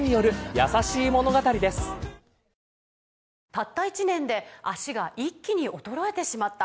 「たった１年で脚が一気に衰えてしまった」